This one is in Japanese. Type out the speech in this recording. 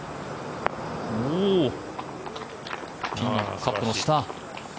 カップの下。